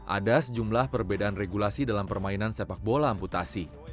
ada sejumlah perbedaan regulasi dalam permainan sepak bola amputasi